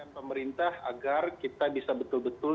pemerintah agar kita bisa betul betul